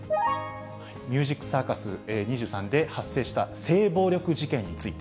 ミュージックサーカス２３で発生した性暴力事件について。